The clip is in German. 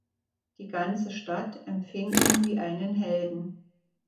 Die ganze Stadt empfing ihn wie einen Helden.